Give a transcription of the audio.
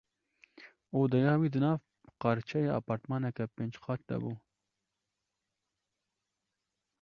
Odeya wî di nav qarçeyê apartmaneke pênc qatî de bû.